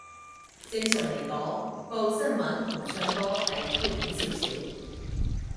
正常嚟講，報新聞同唱歌係拘謹少少